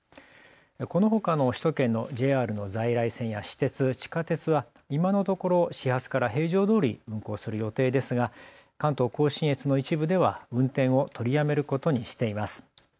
このほかの首都圏のＪＲの在来線や私鉄、地下鉄は今のところ始発から平常どおり運行する予定ですが関東甲信越の一部では運転を取りやめることにしています。